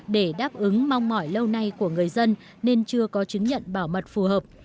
để đáp ứng mong mỏi lâu nay của người dân nên chưa có chứng nhận bảo mật phù hợp